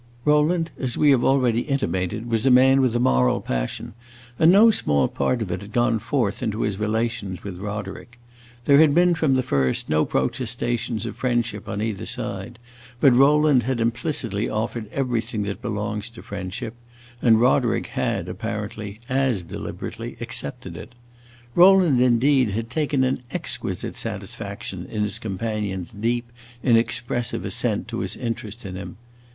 Rowland, as we have already intimated, was a man with a moral passion, and no small part of it had gone forth into his relations with Roderick. There had been, from the first, no protestations of friendship on either side, but Rowland had implicitly offered everything that belongs to friendship, and Roderick had, apparently, as deliberately accepted it. Rowland, indeed, had taken an exquisite satisfaction in his companion's deep, inexpressive assent to his interest in him.